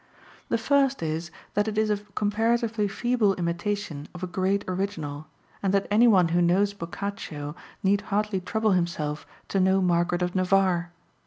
The first is that it is a comparatively feeble imitation of a great original, and that any one who knows Boccaccio need hardly trouble himself to know Margaret of Navarre.